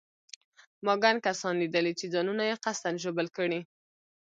ما ګڼ کسان لیدلي چې ځانونه یې قصداً ژوبل کړي.